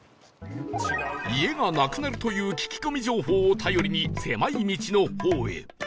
家がなくなるという聞き込み情報を頼りに狭い道の方へ